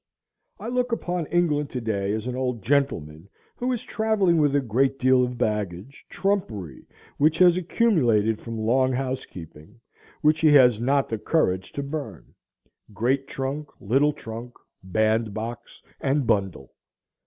I look upon England to day as an old gentleman who is travelling with a great deal of baggage, trumpery which has accumulated from long housekeeping, which he has not the courage to burn; great trunk, little trunk, bandbox and bundle.